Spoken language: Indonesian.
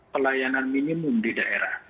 pelayanan minimum di daerah